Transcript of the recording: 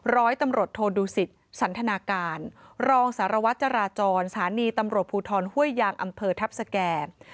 ร้อยตำรวจโทดูสิตสันทนาการรองสารวัตรจราจรสถานีตำรวจภูทรห้วยยางอำเภอทัพสแก่